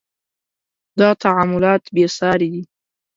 • دا تعاملات بې ساري دي.